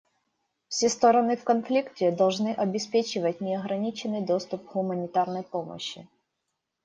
Все стороны в конфликте должны обеспечивать неограниченный доступ к гуманитарной помощи.